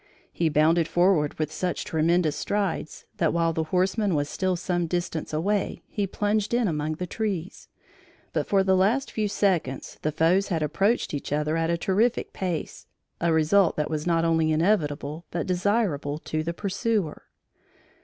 He bounded forward with such tremendous strides, that while the horseman was still some distance away, he plunged in among the trees; but for the last few seconds the foes had approached each other at a terrific pace, a result that was not only inevitable, but desirable, to the pursuer.